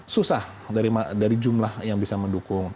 susah dari jumlah yang bisa mendukung